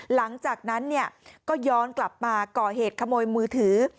หลังจากนั้นก็ย้อนกลับมาก่อเหตุขโมยมือถือ